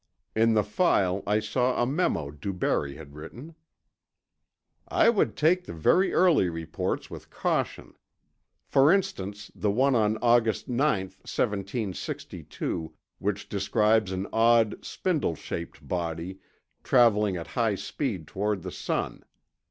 In the file, I saw a memo DuBarry had written: "I would take the very early reports with caution. For instance, the one on August 9, 1762, which describes an odd, spindle shaped body traveling at high speed toward the sun.